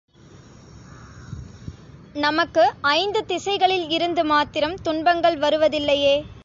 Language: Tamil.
நமக்கு ஐந்து திசைகளில் இருந்து மாத்திரம் துன்பங்கள் வருவதில்லையே.